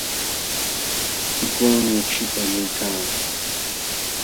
Pikuwanmi akśhuta allaykaa.